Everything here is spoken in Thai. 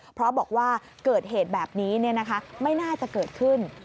เพราะบอกว่าเกิดเหตุแบบนี้ไม่น่าจะเกิดขึ้น